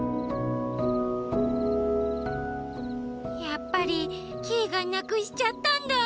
やっぱりキイがなくしちゃったんだ。